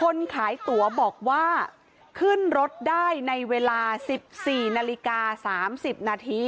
คนขายตั๋วบอกว่าขึ้นรถได้ในเวลา๑๔นาฬิกา๓๐นาที